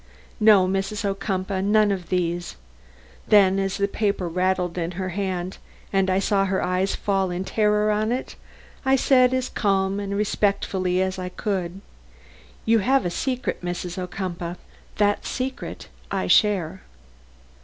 "No, Mrs. Ocumpaugh, none of these." Then as the paper rattled in her hand and I saw her eyes fall in terror on it, I said as calmly and respectfully as I could: "You have a secret, Mrs. Ocumpaugh; that secret I share."